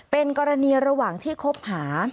เป็นกรณีระหว่างที่คบหา